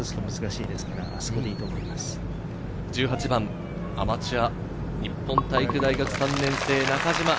１８番、アマチュア、日本体育大学３年生、中島。